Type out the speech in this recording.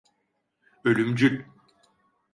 Ölümcül.